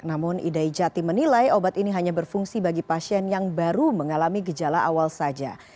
namun idai jati menilai obat ini hanya berfungsi bagi pasien yang baru mengalami gejala awal saja